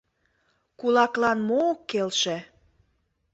Кулаклан мо ок келше?